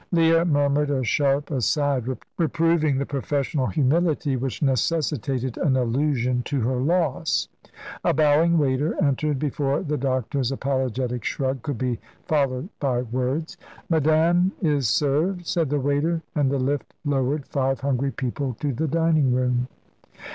Leah murmured a sharp aside, reproving the professional humility which necessitated an allusion to her loss. A bowing waiter entered before the doctor's apologetic shrug could be followed by words. "Madame is served," said the waiter, and the lift lowered five hungry people to the dining room.